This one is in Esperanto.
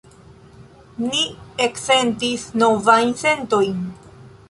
Ni eksentis novajn sentojn.